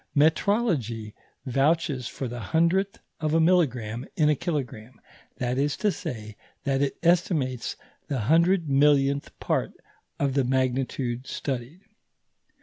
Metrology vouches for the hundredth of a milligramme in a kilogramme; that is to say, that it estimates the hundred millionth part of the magnitude studied.